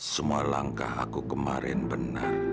semua langkah aku kemarin benar